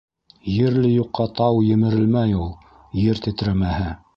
Ерле юҡҡа тау емерелмәй ул, ер тетрәмәһә...